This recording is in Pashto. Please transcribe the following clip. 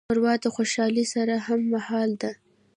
ښوروا د خوشالۍ سره هممهاله ده.